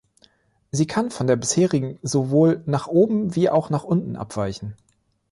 Sie kann von der bisherigen sowohl nach oben wie auch nach unten abweichen.